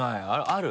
ある？